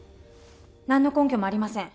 何の根拠もありません。